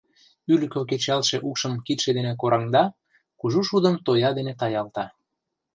Ӱлыкӧ кечалтше укшым кидше дене кораҥда, кужу шудым тоя дене таялта.